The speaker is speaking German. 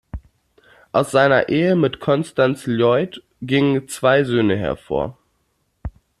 Aus seiner Ehe mit Constance Lloyd gingen zwei Söhne hervor.